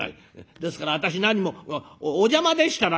「ですから私何もお邪魔でしたら」。